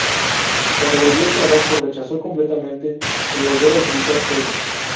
Cuando volvió al trabajo, rechazó completamente el volver a utilizar fuego.